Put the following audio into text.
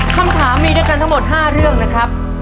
คำถามมีด้วยกันทั้งหมด๕เรื่องนะครับ